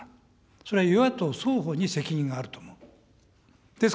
それは与野党双方に責任があると思います。